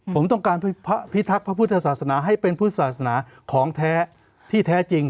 ผมต้องการพิทักษ์พระพุทธศาสนาให้เป็นพุทธศาสนาของแท้ที่แท้จริง